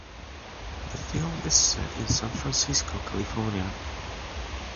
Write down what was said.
The film is set in San Francisco, California.